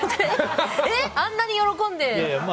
あんなに喜んで。